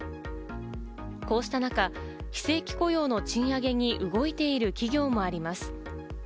こうした中、非正規雇用の賃上げに動いている企業もあります。